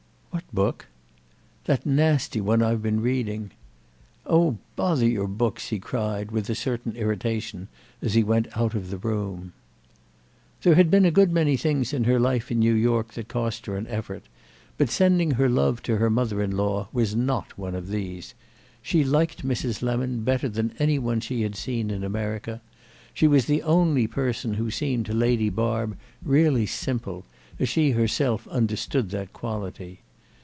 "What book?" "That nasty one I've been reading." "Oh bother your books!" he cried with a certain irritation as he went out of the room. There had been a good many things in her life in New York that cost her an effort, but sending her love to her mother in law was not one of these. She liked Mrs. Lemon better than any one she had seen in America; she was the only person who seemed to Lady Barb really simple, as she herself understood that quality.